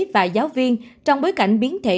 và giáo viên trong bối cảnh biến thể